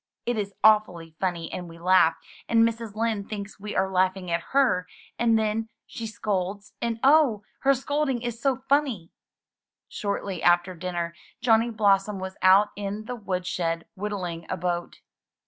It is awfully funny and we laugh; and Mrs. Lind thinks we are laughing at her, and then she scolds, and oh! her scolding is so funny!" Shortly after dinner Johnny Blossom was out in the wood shed whittling a boat.